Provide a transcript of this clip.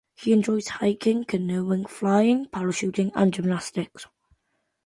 He enjoys hiking, canoeing, flying, parachuting and gymnastics.